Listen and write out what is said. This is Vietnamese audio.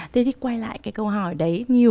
thế thì quay lại cái câu hỏi đấy